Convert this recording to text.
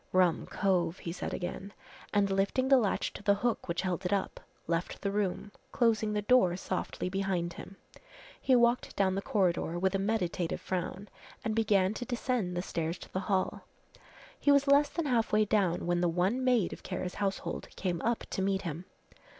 "Rum cove," he said again, and lifting the latch to the hook which held it up, left the room, closing the door softly behind him. He walked down the corridor, with a meditative frown, and began to descend the stairs to the hall. He was less than half way down when the one maid of Kara's household came up to meet him.